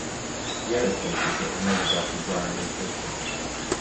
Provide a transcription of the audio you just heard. Yellowcake is what remains after drying and filtering.